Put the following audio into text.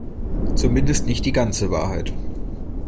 Zumindest nicht die ganze Wahrheit.